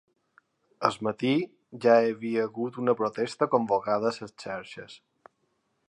Al matí, ja hi havia hagut una protesta convocada a les xarxes.